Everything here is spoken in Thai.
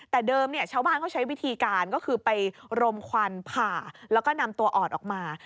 แต่เดิมเนี่ยชาวบ้านเขาใช้วิธีการก็คือไปรมควันผ่าแล้วก็นำตัวอ่อนออกมา